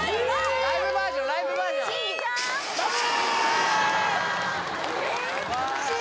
ライブバージョンライブバージョンダメー！